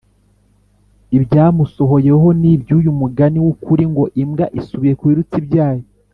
Ibyamusohoyeho ni iby’uyu mugani w’ukuri ngo, Imbwa isubiye ku birutsi byayo